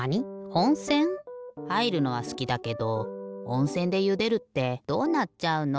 おんせん？はいるのはすきだけどおんせんでゆでるってどうなっちゃうの？